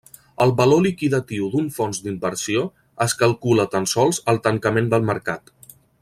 El valor liquidatiu d'un fons d'inversió es calcula tan sols al tancament del mercat.